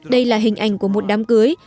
đây là hình ảnh của một đám cưới